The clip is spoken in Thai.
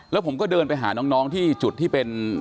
แล้วผมก็เดินไปหาน้องที่จุดที่เป็น